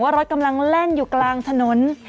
รถกำลังแล่นอยู่กลางถนน